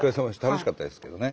楽しかったですけどね。